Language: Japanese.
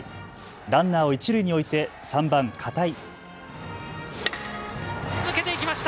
ランナーを一塁に置いて３番・片井。